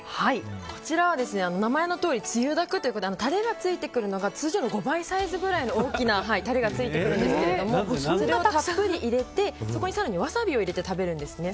こちらは名前のとおりつゆだくでタレがついてくるのが通常の５倍サイズぐらいの大きなタレがついてくるんですけどそれをたっぷり入れて、そこにワサビを入れて食べるんですね。